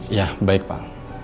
iya baik pak